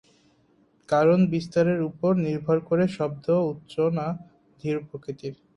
কারণ বিস্তারের উপর নির্ভর করে শব্দ উচ্চ না ধীর প্রকৃতির।